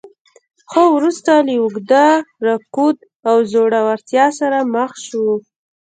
خو وروسته له اوږده رکود او ځوړتیا سره مخ شو.